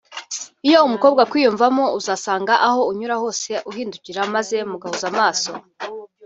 Iyo umukobwa akwiyumvamo Uzasanga aho unyura hose uhindukira maze mugahuza amaso